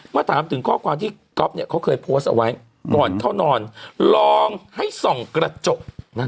มาถามถึงข้อความที่ก๊อฟเขาเคยโพสต์เอาไว้ก่อนเข้านอนลองให้ส่องกระจก